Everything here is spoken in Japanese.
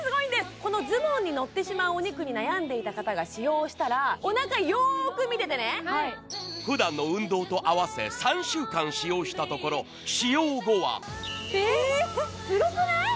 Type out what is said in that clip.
このズボンにのってしまうお肉に悩んでいた人が使用したらおなかよーく見ててね。ふだんの運動と合わせ、３週間使用したところ、使用後はすごくない！